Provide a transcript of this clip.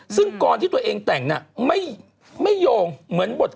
ซึ่งก่อนที่ตัวเองแต่งน่ะไม่โยงเหมือนบท